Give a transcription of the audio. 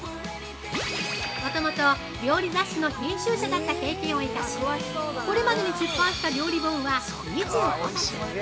もともと、料理雑誌の編集者だった経験を生かしこれまでに出版した料理本は２５冊。